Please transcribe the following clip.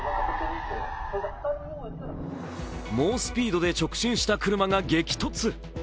猛スピードで直進した車が激突。